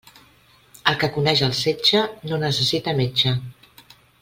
El que coneix el setge no necessita metge.